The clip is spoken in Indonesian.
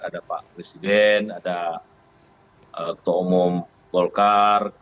ada pak presiden ada ketua umum golkar